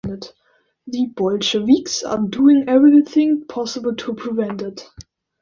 The Bolsheviks are doing everything possible to prevent it.